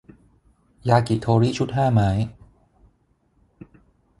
ยากิโทริชุดห้าไม้